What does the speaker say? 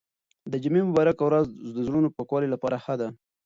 د جمعې مبارکه ورځ د زړونو د پاکوالي لپاره ښه ده.